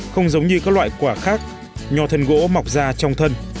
không giống như các loại quả khác nhò thân gỗ mọc ra trong thân